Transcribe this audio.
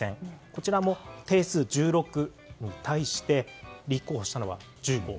こちらも定数１６に対して立候補したのが１５。